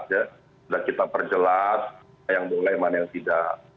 sudah kita perjelas mana yang boleh mana yang tidak